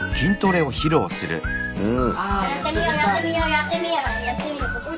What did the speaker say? うん。